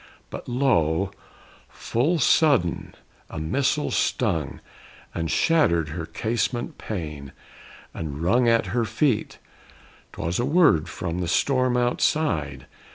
But lo, full sudden a missile stung And shattered her casement pane and rung At her feet! 'Twas a word from the storm outside.